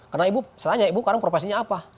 karena ibu misalnya ibu sekarang profesi apa